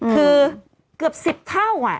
คือเกือบ๑๐เท่า